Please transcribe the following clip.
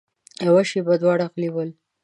يوه شېبه دواړه غلي ول.